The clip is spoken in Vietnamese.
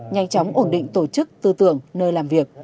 nhanh chóng ổn định tổ chức tư tưởng nơi làm việc